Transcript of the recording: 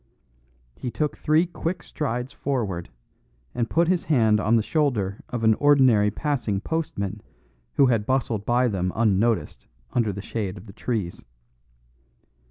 He took three quick strides forward, and put his hand on the shoulder of an ordinary passing postman who had bustled by them unnoticed under the shade of the trees.